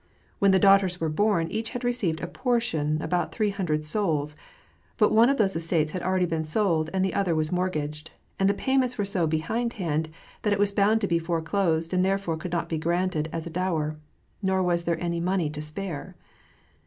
When the daughters were born, each had received as a portion about three hundred " souls ;" but one of these estates had been already sold, and the other was mortgaged, and the payments were so behind hand that it was bound to be foreclosed, and therefore could not be granted as a dower. Nor was there any money to spare.